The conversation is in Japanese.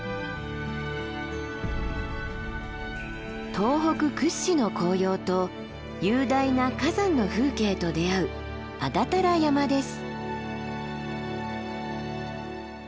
東北屈指の紅葉と雄大な火山の風景と出会う安達太良山です。